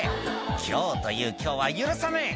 「今日という今日は許さねえ！」